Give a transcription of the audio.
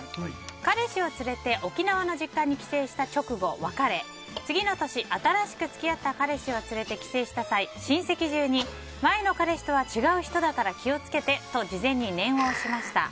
彼氏を連れて沖縄の実家に帰省した直後、別れ次の年新しく付き合った彼氏を連れて帰省した際、親戚中に前の彼氏とは違う人だから気を付けてと事前に念を押しました。